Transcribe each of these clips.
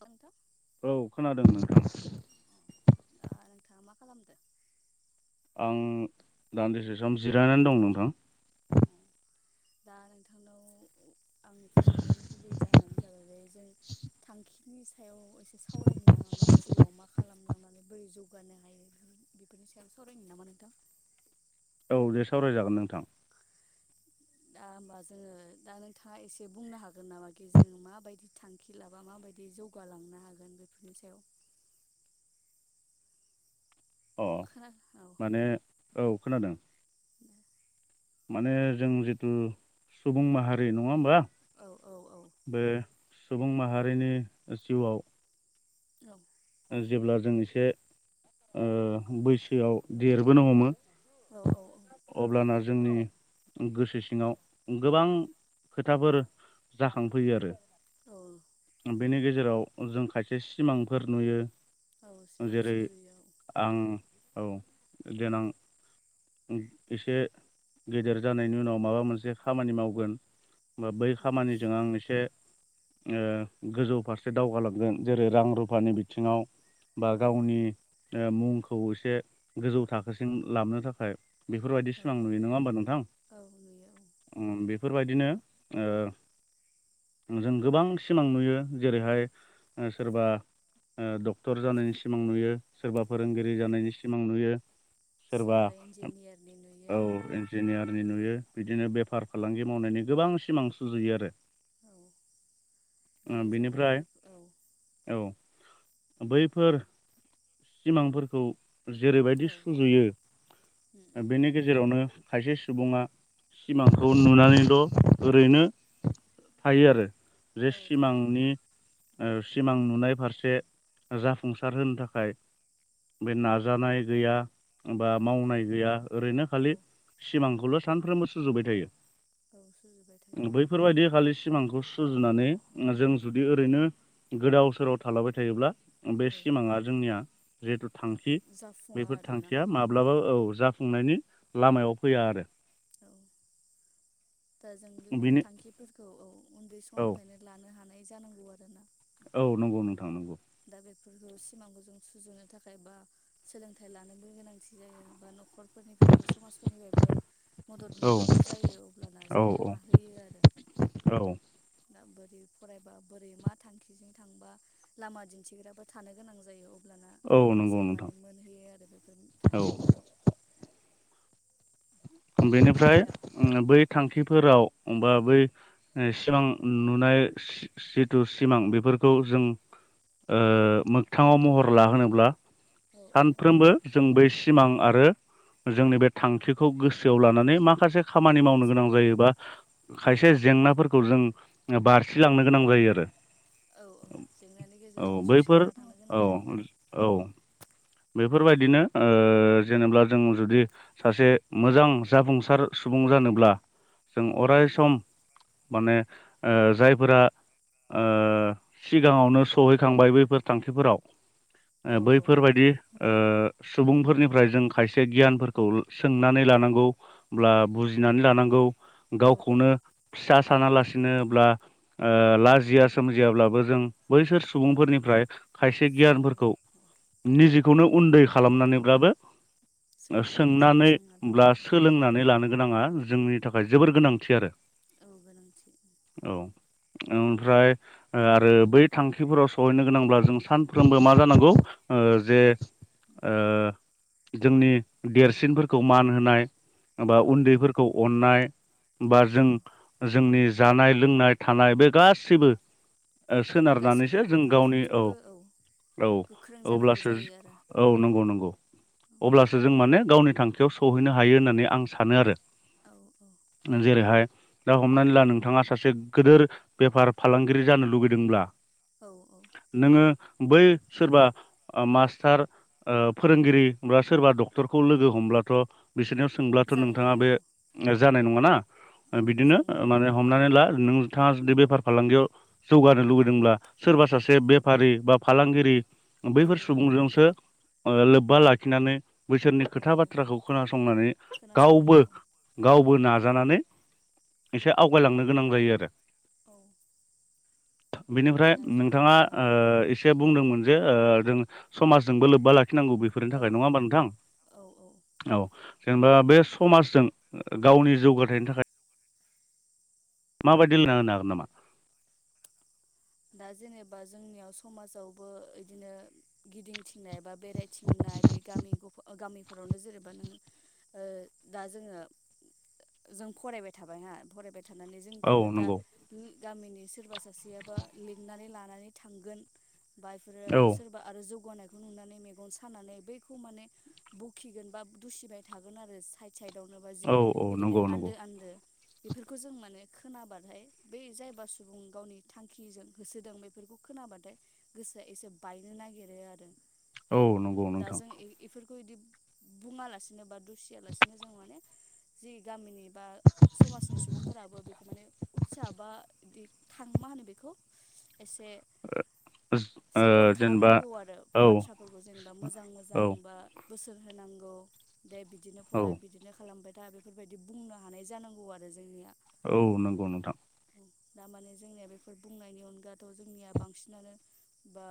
नोंथां औ खोनादों नोंथां दा नोंथाङा मा खालामदो आं दान्दिसे सम जिरायनानै दं नोंथां औ दा नोंथांनाव आं फन हरनायनि गुबै जाहोनानो जाबाय बे जों थांखिनि सायाव एसे सावरायनो नामा मा जिउआव मा खालामलांनो मे बोरै जौगानो हायो बेफोरनि सायाव सावरायनो नामा नोंथां औ दे सावरायजागोन नोंथां दा होमबा जोङो दा नोंथाङा एसे बुंनो हागोन नामा कि जों माबायदि थांखि लाबा माबायदि जौग जौगालांनो हागोन बेफोरनि सायाव अ अखा माने औ खोनादों माने जों जिथु सुबुं माहारि नङा होमबा औ औ औ बे सुबुं माहारिनि जिउआव औ जेब्ला जों एसे ओ बैसोआव देरबोनो हमो औ अब्ला ना जो जोंनि गोसो सिङाव गोबां खोथाफोर जाखांफैयो आरो औ बेनि गेजेराव जों खायसे सिमांफोर नुयो औ सिमां जेरै सुजुयो आं औ देनां एसे गेदेर जानायनि उनाव माबा मोनसे खामानि मावगोन होमबा बै औ खामानिजों आं एसे। ओ गोजौ फारसे दावगालांगोन जेरै रां रुफानि बिथिङाव। बा औ गावनि ओ मुंखौ एसे गोजौ थाखोसिम लाबनो थाखाय फ्राय बेफोरबायदि औ सिमां औ नुयो नङा होमबा नोंथां औ नुयो उम बेफोरबायदि बिदिनो ओ। जों गोबां सिमां नुयो जेरैहाय ओ‌ सोरबा। ओ डक्टर जानायनि सिमां नुयो सोरबा औ फोरोंगिरि जानायनि सिमां नुयो सोरबा इन्जि औ इन्जिनियारनि नुयो बिदिनो बेफार फालांगि मावनायनि गोबां सिमां सुजुयो आरो औ बे ओ जों बे बेनिफ्राय औ औ। बैफोर सिमांफोरखौ जेरैबायदि औ सुजुयो औ बेनि गेजेरावनो खायसे सुबुङा सिमांखौ नुनानैल‌ ओरैनो थायो आरो जे औ थायो सिमांनि ओ सिमां नुनाय फारसे जाफुंसार होनो थाखाय बे नाजानाय गैया बा औ मावनाय गैया ओरैनो औ खालि सिमांखौल सानफ्रोमबो सुजुबाय थायो सुजुबाय थायो बैफोरबायदि खालि सिमांखौ सुजुनानै जों जुदि ओरैनो गोदाव सोराव थालाबाय थायोब्ला बे औ सिमाङा जोंनिया जिहेथु थांखि जाफुङा बेफोर आरोना थांखिया माब्लाबो [unintelligible] खुंनायनि लामायाव फैया आरो औ दा जों बेफोर बिनि थांखिफोरखौ औ उन्दै औ समनिफ्रायनो लानो हानाय जानांगौ आरोना। औ नंगौ नोंथां नंगौ दा बेफोरखौ सिमांखौ जों सुजुनो थाखाय बा सोलोंथाइ लानोबो गोनांथि जायो बा नखर फोरनिफ्रायबो समाजफोरनिफायबो मदद औ मोननांगौ जायो अब्लाना जों औ औ हाहोयो आरो औ दा बोर। फरायबा बोरै मा थांखिजों थांबा लामा दिन्थिग्राबो थानो गोनां जायो अब्लाना औ नंगौ जों नोंथां माने मोनहैयो आरो बेफोर औ थांखिफोराव नाथाय बेनिफ्राय जोंना औ ओं‌ बै थांखिफोराव बा बै सिमां नुनाय जिथु सिमां बेफोरखौ जों ओ मोगथाङाव महर लाहोनोब्ला औ औ सानफ्रोमबो जों बै सिमां आरो जोंनि बे थांखिखौ गोसो गोसोआव लानानै माखासे औ खामानि मावनो गोसो गोनां लानांगौ जायोबा खायसे जेंनाफोरखौ खौ जों बारसिलांनो गोनां जायो आरो औ औ जेंनानि औ गेजेरजों बैफोर सौसिलांना थांनो गोनां औ जायो औ बेफोरबायदिनो ओ जेनेब्ला जों जुदि सासे मोजां जाफुंसार सुबुं जानोब्ला जों अराय उम सम माने ओ जायफोरा ओ सिगाङावनो सहैखांबाय बैफोर थांखिफोराव औ ओ औ बैफोरबायदि ओ सुबुंफोरनिफ्राय जों खायसे गियानफोरखौ सों नानै लानांगौ अब्ला बुजिनानै लानांगौ औ गावखौनो फिसा सानालासिनोब्ला ओ लाजिया सोमजियाब्लाबो जों बैसोर औ सुबुंफोरनिफ्राय खायसे सोंना लानो गियानफोरखौ औ निजेखौनो उन्दै खालामनानैब्लाबो सोंनो गोनां जायो सों होनब्ला सोलोंनानै लानो गोनाङा जोंनि थाखाय जोबोर गोनांथि आरो। औ गोनांथि। औ ओमफ्राय आरो बै थांखिफोराव सहैनो गोनांब्ला जों सानफ्रोमबो मा जानांगौ ओ जे जोंनि देरसिन खौ मान होनाय बा औ उन्दैफोरखौ अननाय औ बा जों औ जोंनि जानाय लोंनाय थानाय बे गासिबो ओ सोनारनानैसो गासैखौबो जों गावनि औ फारफ्रोमथिंबो औ गोख्रों जानांगौ अब्लासो जायो आरो औ नंगौ नंगौ अब्लासो जों माने गावनि आखायाव सौहैनो हायो होननानै आं सानो आरो औ औ जेरैहाय दा हमनानै ला नोंथाङा सासे गिदिर बेफार फालांगिरि जानो लुगैदोंब्ला औ औ नोङो बै सोरबा ओ मास्टार ओ फोरोंगिरि बा सोरबा डक्टरखौ लोगो हमब्लाथ' बिसोरनियाव सोंब्लाथ' जानाय नोंथाङा नङा बे औ जानाय नङाना औ बिदिनो जों माने हमनानै ला नोंथाङा जुदि बेफार फालांगियाव जौगानो लुुबैदोंब्ला सोरबा सासे बेफारि बा फालांगिरि औ बैफोर सुबुंजोंसो लोब्बा लाखिनानै बैसोरनि औ खोथा बाथ्रा खौ खोनासंनानै गावबो खोनासंनांगौ गाव बो नाजानानै एसे आवगायलांनो गोनां जायो आरो। [inaudible] बिनिफ्राय दा नोंथाङा औ ओ एसे बुंदोंमोन जे ओ जों समाजजोंबो लोब्बा ला खिनांगौ बेफोरनि थाखाय नङा औ होमबा औ औ औ नोंथां। औ जेनेबा बे समाजजों गावनि जौगाथायनि उम थाखाय मा बादि लारायनो हागोन नामा? दा जेनेबा जोंनियाव समाजावबो बिदिनो गिदिंथिंनाय बा बेरायथिंनाय बे गामि गफा गामिफोरावनो जेनेबा नोङो ओ दा जोङो जों फरायबाय थाबाय हा फरायबाय थानानै औ जोंखौनो दा नंगौ गामिनि सोरबा सासेयाबा लिंनानै लानानै थांगोन बा गफोरो आरो औ सोरबा आरो जौ गनायखौ नुनानै मेगन सानानै बैखौ माने ब'खिगोन बा दुसिबाय थागोन आरो साइ साइदआवनो बा जि औ औ बिदिनो नंगौ नंगौ आन्दो आन्दो बेफोरखौ जों माने खोनाबाथाय बै जायबा सुबुं गावनि थां खिजों होसोदों बेफोरखौ खोनाबाथाय गोसोआ एसे बायनो नागिरो आरो। औ नंगौ नोंथां। बिदि बुङालासिनो बा दुसिया लासिनो जों माने जि गामिनि बा समाजनि सुबुंफोराबो बेखौ माने उत्सा बा बिदि थां मा होनो बेखौ एसे ओ सापर्ट जेनेबा खालामनांगौ आरो औ बाथ्राफोरखौ जेनेबा मोजां मोजां औ बा बोसोन होनांगौ दे बिदिनो औ फराय बिदिनो खालामबाय था बेफोरबायदि बुंनो हानाय जानांगौ आरो जोंनिया। औ नंगौ नोंथां। दा माने जोंनिया बेफोर बुंनायनि अनगायाथ' जोंनिया बांसिनानो बा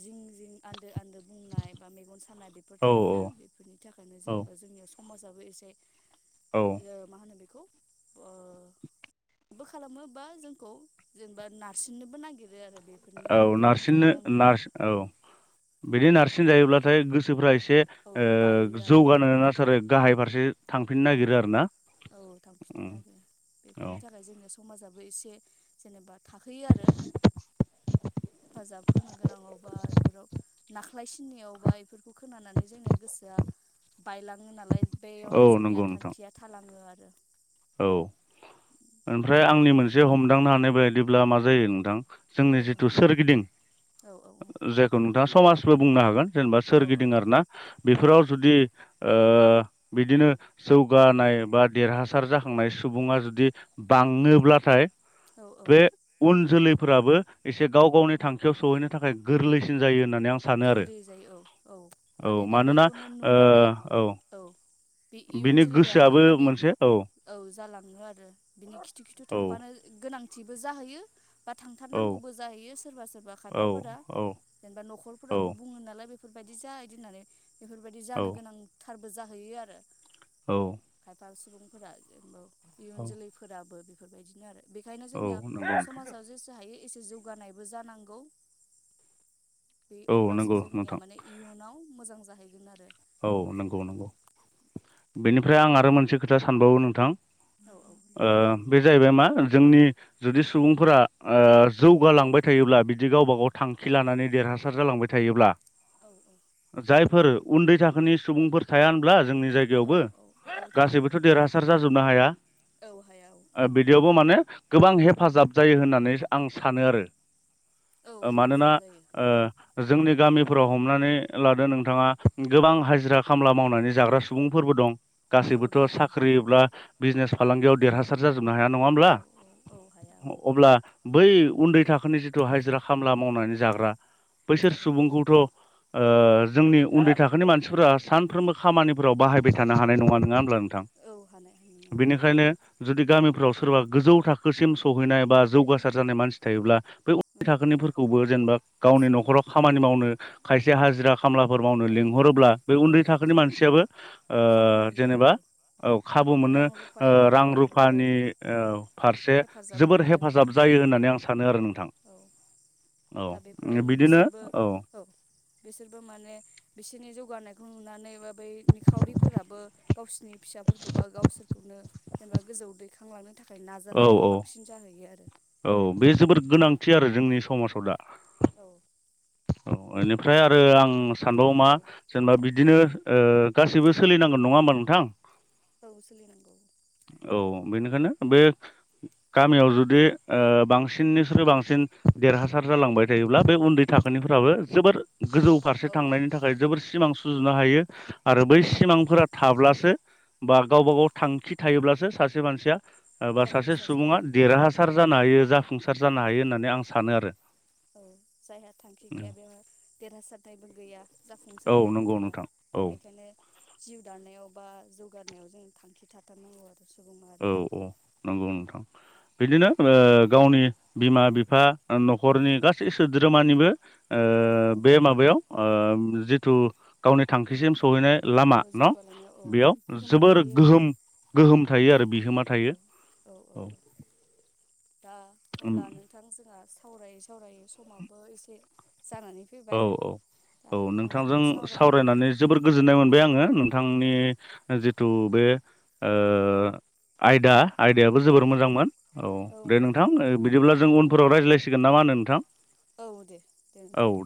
जिं जिं आन्दो आन्दो बुंनाय बा मेगन सानाय बेफोर औ औ थायोना बेफोरनि थाखायनो औ जेनेबा जोंनियाव हमाजाबो एसे औ यो मा होनो बेखौ ओ बो खालामो बा जोंखौ जेनेबा नारसिननोबो नागिरो आरो। बेफोरनि औ बेफोरनि नारसिननो थाखायनो आं माने नारस औ बिदि नारसिन माने जायोब्लाथाय गोसोफ्रा एसे औ बायो ओ आरो जौगानो ना सोरो गाहाय फारसे थांफिननो औ नागिरो आरो ना औ थांफिनो नागिरो औ बेफोरनि थाखाय जोंनो समाजाबो एसे जेनेबा थाखोयो आरो हेफाजाब होनो गोनाङावबा बेफोराव नाख्लाय सिननायावबा बेफोरखौ खोनानानै जोंनिया गोसोआ बायलाङो नालाय औ बेयावनो जोंनिया नंगौ नोंथां थांखिया थालाङो आरो। औ ओमफ्राय दा आंनि मोनसे हमदांनो हानाय बायदिब्ला मा जायो नोंथां जोंनि औ जिथु सोरगिदिं औ औ जायखौ नोंथाङा समाजबो बुंनो हागोन जेनेबा औ सोरगिदिं औ आरोना औ बेफोराव जुदि ओ बिदिनो जौगानाय बा देरहासार जा थांनाय सुबुङा जुदि बाङोब्लाथाय औ औ बे उन जोलैफ्राबो एसे गाव गावनि थांखियाव सहैनो थाखाय गोरलैसिन जायो होननानै आं सानो आरो गोरलै जायो औ औ मानोना बेखौनो नुनानै औ बे इयुन बेनि जोलैयाबो गोसोआबो माने मोनसे औ औ जालाङो आरो बिनि खिथु खिथु थांफानो गोनांथिबो जाहैयो बा औ थांथारनांगौबो जाहैयो सोरबा सोरबा औ खायफाफोरा औ जेनेबा औ न'खरफोराबो बुङो नालाय बे बेफोरबायदि जाय दोननानै बेफोरबायदि औ जानो गोनांथारबो जाहैयो आरो [inaudible] औ खायफा सुबुंफोरा जेनबोब इयुन औ जोलैफोराबो बेफोरबायदिनो आरो बेखायनो औ जोंनिया नंगौ नोंथां समाजाव जेसे हायो एसे जौगानायबो जानांगौ [inaudible] बे औ अब्लासो नंगौ जोंनिया नोंथां माने इयुनाव मोजां जाहैगोन आरो औ नंगौ बेफोरबायदि नंगौ बेनिफ्राय आं आरो मोनसे खोथा सानबावो नोंथां औ औ ओ बे जाहैबाय मा ओ जोंनि जुदि सुबुंफोरा ओ जौगालांबाय थायोब्ला बिदि गावबा गाव थांखि लानानै देरहासार जालांबाय थायोब्ला औ जायफोर उन्दै थाखोनि सुबुंफोर थाया होनब्ला जोंनि औ जायगायावबो औ औ थायो गासैबोथ' देरहासार जाजोबनो हाया औ हाया औ [inaudible] आ बिदिआवबो माने गोबां हेफाजाब जायो होननानै आं सानो आरो औ ओ मानोना हेफाजाब जायो। ओ जोंनि गामिफोराव हमनानै लादो नोंथाङा गोबां हाजिरा खामला मावनानै जाग्रा सुबुंफोरबो दं औ गासैबोथ' दङ औ। साख्रिब्ला बिजनेस फालांगियाव देरहासार जाजोबनो हाया नङा होमब्ला औ औ हाया औ अब्ला बै उन्दै थाखोनि जिथु हाजिरा खामला मावनानै जाग्रा बैसोर औ। सुबुंखौथ' ओ जोंनि उन्दै थाखोनि मानसिफोरा सानफ्रोमबो खामानिफोराव बाहायबाय थानो हानाय नङा नोङा होनब्ला थां औ हानाय हानाय नङा बेनोखायनो जुदि गामिफ्राव सोरबा गोजौ थाखोसिम सौहैनाय बा जौगासार जानाय मानसि थायोब्ला बै उ औ थाखोनिफोरखौबो जेनेबा गावनि एसे न'खराव खामानि मावनो खायसे हाजिरा खामलाफोर मावनो औ लिंहरोब्ला बे औ उन्दै थाखोनि मानसियाबो ओ खाबु मोनो जेनेबा आरो औ खाबु औ मोनो रां ओ रुफायाव औ रां रुफायाव रुफानि ओ फारसे हेफाजाब जोबोर मोनो हेफाजाब जाय यो होननानै आं सान थां औ। दा बेफोरावनो बिसोरबो औ बिसोरबो माने बिसिनि जौ जौगानायखौ नुनानै बा बै निखावरिफोराबो गावसिनि फिसाफोरखौ बा गावसोरखौनो [unintelligible] गोजौ दैखांलांनो थाख औ औ औ बे जोबोर गोनांथि आरो जोंनि समाजाव दा औ औ बेनिफ्राय आरो दा आं सानबावो मा औ जेनेबा बिदिनो ओ गासैबो सोलिनांगोन नङा होमबा नोंथां ओ सोलि नांगौ औ बेनिखायनो बे गामियाव जुदि ओ बांसिन निस्रुइ बांसिन देरहासार जालांबाय थायोब्ला बे उन्दै थाखो निफ्राबो जोबोर गोजौ फारसे औ थांनायनि थाखाय जोबोर सिमां सुजुनो हायो आरो बै हायो औ सिमांफोरा थाब्लासो बा गावबा गाव थांखि थायोब्लासो सासे मानसिया एबा सासे जाफुंसार जानो सुबुङा हायो औ देरहासार जानो हायो जाफुंसार जानो हायो होननानै आं सानो आरो औ जाय थांखि गैया बेयाव देरहासारनायबो गैया औ जाफुंसारनायबो नंगौ गैया नोंथां औ बेखायनो जिउ दानायाव बा जौगानायाव जों थांखि थाथारनांगौ आरो सुबुं औ माहारिया औ नंगौ नोंथां बिदिनो गावनि बिमा बिफा न'खरनि गासै सोद्रोमानिबो ओ औ औ बे माबायाव ओ जिथु गावनि थांखिसिम सहैनाय लामा न जौगालांनायाव औ बेयाव बिहोमा जोबोर थायो आरो गोहोम गोहोम थायो आरो बिहोमा थायो औ औ दा अब्ला नोंथां जोंहा सावरायो समाबो एसे जानानै औ फैबाय औ दा औ नोंथांजों नोंथांजोंनो सावरायनानै जोबोर गोजोननाय मोनबाय आङो औ नोंथांनि जिथु बे ओ‌ आयदा आइदिायाबो औ जोबोर औ मोजांमोन औ दे मोजां नोंथां मोनो बिदिब्ला जों उनफोराव रायज्लायसिगोन ना मा होनो नोंथां औ दे दे नोंथां दे